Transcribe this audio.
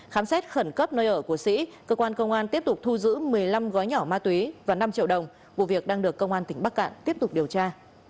khám xét khẩn cấp nơi ở của sĩ cơ quan công an tiếp tục thu giữ một mươi năm gói nhỏ ma túy và năm triệu đồng vụ việc đang được công an tỉnh bắc cạn tiếp tục điều tra